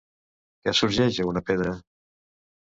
Què sorgeix a una pedra?